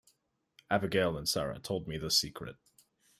Abigail and Sara told me the secret.